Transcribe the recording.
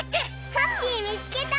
ハッピーみつけた！